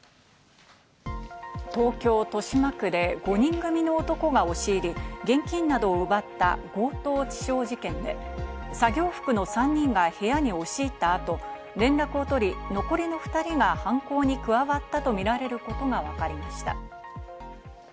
東京・豊島区で５人組の男が押し入り、現金などを奪った強盗致傷事件で、作業服の３人が部屋に押し入った後、連絡を取り、残りの２人が犯行に加わったとみられることがわかりました。